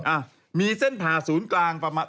อ่ะมีเส้นผ่าศูนย์กลางประมาณ